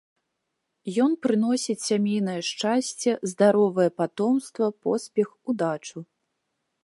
Ён прыносіць сямейнае шчасце, здаровае патомства, поспех, удачу.